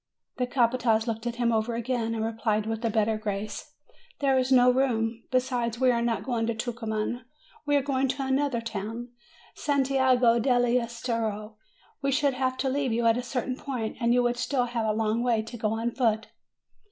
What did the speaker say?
The capataz looked him over again, and replied with a better grace, "There is no room ; besides, we are not going to Tucuman; we are going to another town, Santiago dell' Estero. We should have to leave you at a certain point, and you would still have a long way to go on foot."